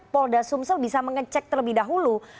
polda sumsel bisa mengecek terlebih dahulu